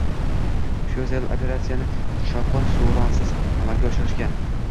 Shu zayl operatsiyani shovqin-suronsiz amalga oshirishgan